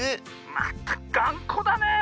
まったくがんこだねえ